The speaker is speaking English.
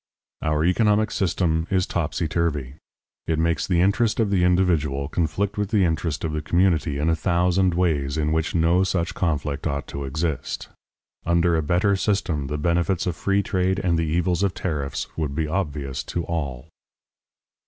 Our economic system is topsyturvy. It makes the interest of the individual conflict with the interest of the community in a thousand ways in which no such conflict ought to exist. Under a better system the benefits of free trade and the evils of tariffs would be obvious to all.